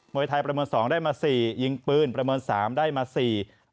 มวยไทยประเมิน๒ได้มา๔เหรียญทองยิงปืนประเมิน๓ได้มา๔เหรียญทอง